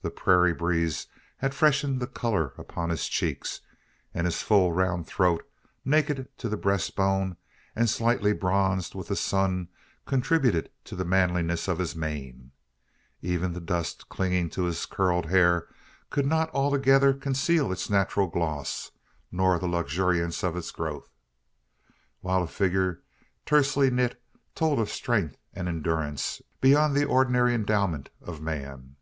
The prairie breeze had freshened the colour upon his cheeks; and his full round throat, naked to the breast bone, and slightly bronzed with the sun, contributed to the manliness of his mien. Even the dust clinging to his curled hair could not altogether conceal its natural gloss, nor the luxuriance of its growth; while a figure tersely knit told of strength and endurance beyond the ordinary endowment of man.